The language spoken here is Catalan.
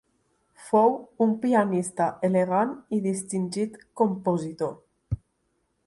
Fou un pianista elegant i distingit compositor.